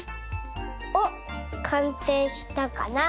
おっかんせいしたかな。